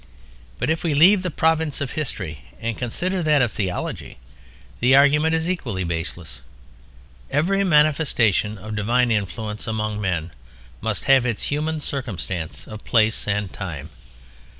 But if we leave the province of history and consider that of theology, the argument is equally baseless. Every manifestation of divine influence among men must have its human circumstance of place and time.